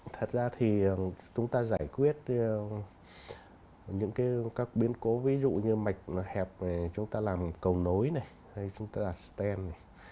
thật ra thì chúng ta giải quyết những cái các biến cố ví dụ như mạch hẹp chúng ta làm cầu nối này hay chúng ta làm stem này